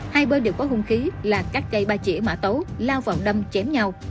hai bên đều có hung khí là các cây ba chỉa mã tấu lao vọng đâm chém nhau